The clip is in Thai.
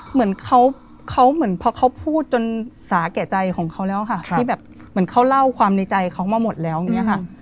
เหมือนเขาเหมือนพอเขาพูดจนสาแก่ใจของเขาแล้วค่ะที่แบบเหมือนเขาเล่าความในใจเขามาหมดแล้วอย่างนี้ค่ะ